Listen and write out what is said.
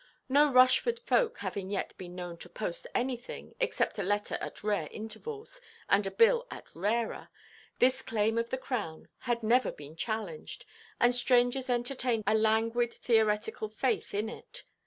No Rushford folk having yet been known to post anything, except a letter at rare intervals, and a bill at rarer, this claim of the Crown had never been challenged, and strangers entertained a languid theoretical faith in it.